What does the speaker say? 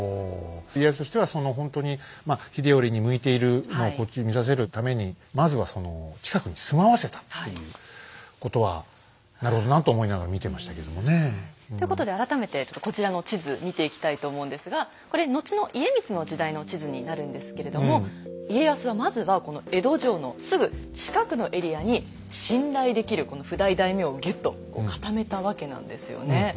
家康としてはそのほんとに秀頼に向いているのをこっちに見させるためにまずはその近くに住まわせたということはなるほどなと思いながら見てましたけどもね。ということで改めてこちらの地図見ていきたいと思うんですがこれ後の家光の時代の地図になるんですけれども家康はまずはこの江戸城のすぐ近くのエリアに信頼できるこの譜代大名をぎゅっと固めたわけなんですよね。